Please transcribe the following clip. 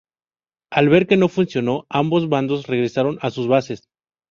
Al ver que no funcionó, ambos bandos regresaron a sus bases.